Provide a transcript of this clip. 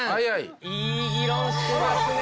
いい議論してますね！